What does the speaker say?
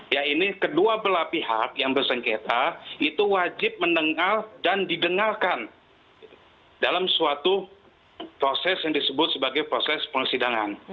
ya ini kedua belah pihak yang bersengketa itu wajib mendengar dan didengarkan dalam suatu proses yang disebut sebagai proses persidangan